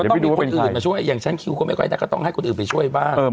ต้องมีคนอื่นมาช่วยอย่างฉันคิวก็ไม่ค่อยได้ก็ต้องให้คนอื่นไปช่วยบ้าง